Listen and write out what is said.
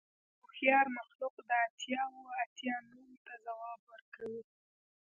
خو دا هوښیار مخلوق د اتیا اوه اتیا نوم ته ځواب ورکوي